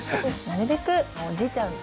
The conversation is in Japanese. なるべくおじいちゃん